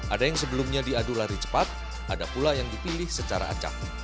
ada yang sebelumnya diadu lari cepat ada pula yang dipilih secara acak